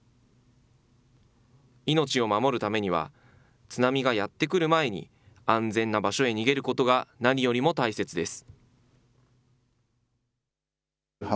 命を守るためには、津波がやって来る前に、安全な場所へ逃げることが何よりも大切です。